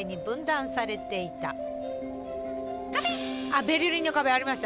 あベルリンの壁ありました。